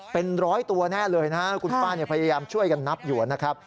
เป็นร้อยตัวแน่เลยนะครับคุณป้าพยายามช่วยกันนับอยู่นะครับ